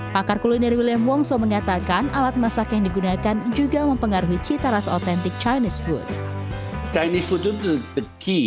pakar kuliner william wongso mengatakan alat masak yang digunakan juga mempengaruhi cita rasa otentik chinese food